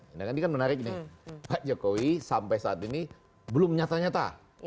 ini kan menarik nih pak jokowi sampai saat ini belum nyata nyata